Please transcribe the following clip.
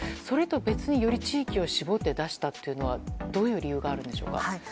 それとは別に、より地域を絞って出したというのはどういう理由があるんでしょうか。